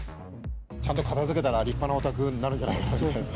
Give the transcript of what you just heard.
ちゃんと片づけたら、立派なお宅になるんじゃないかなって。